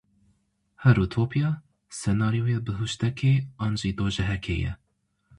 Her utopya, senaryoya bihuştekê an jî dojehekê ye.